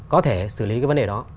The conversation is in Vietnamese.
có thể xử lý cái vấn đề đó